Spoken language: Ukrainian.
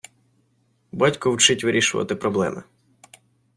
Батько вчить вирішувати проблеми.